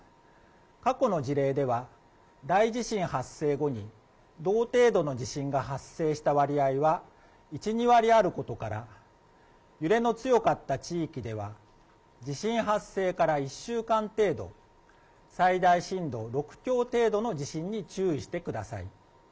過去の事例では、大地震発生後に、同程度の地震が発生した割合は１、２割あることから、揺れの強かった地域では、地震発生から１週間程度、最大震度６強程度の地震に注意してください。